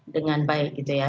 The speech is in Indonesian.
dengan baik gitu ya